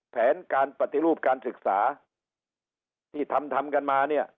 แผนการปฏิรูปการศึกษาที่ทำทำกันมาเนี่ย